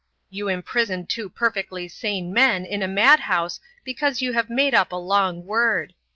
You imprison two perfectly sane men in a madhouse because you have made up a long word.